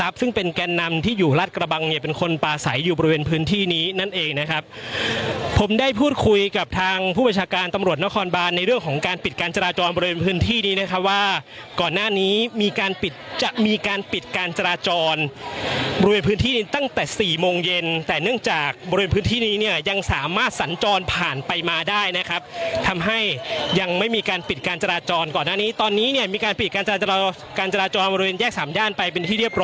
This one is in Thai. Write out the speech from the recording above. เป็นแกนนำที่อยู่รถกระบังอย่าเป็นคนปลาใสอยู่บริเวณพื้นที่นี้นั่นเองนะครับผมได้พูดคุยกับทางผู้ประชาการตำรวจนครบานในเรื่องของการปิดการจราจรบริเวณพื้นที่นี้นะครับว่าก่อนหน้านี้มีการปิดจะมีการปิดการจราจรบริเวณพื้นที่ตั้งแต่สี่โมงเย็นแต่เนื่องจากบริเวณพื้นที่นี้เนี่ยยังสามารถสรรจรผ